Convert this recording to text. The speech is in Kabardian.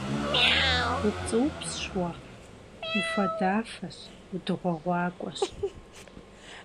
- УпцӀыупсщ уэ, уфадафэщ, удыгъуэгъуакӀуэщ!